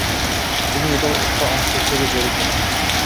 তুমি এটার একটা অংশ হিসেবে জড়িত।